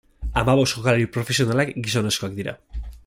Hamabost jokalari profesionalak gizonezkoak dira.